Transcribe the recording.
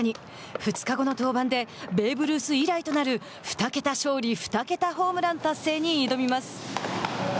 ２日後の登板でベーブ・ルース以来となる二桁勝利、二桁ホームラン達成に挑みます。